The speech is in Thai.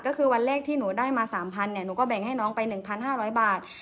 ก็คือวันเลขที่หนูได้มาสามพันเนี่ยหนูก็แบ่งให้น้องไปหนึ่งพันห้าร้อยบาท